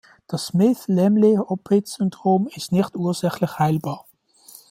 Das Smith-Lemli-Opitz-Syndrom ist nicht ursächlich heilbar.